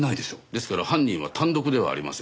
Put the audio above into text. ですから犯人は単独ではありません。